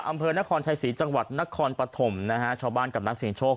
อำเภอนครชัยศรีจังหวัดนครปฐมนะฮะชาวบ้านกับนักเสียงโชค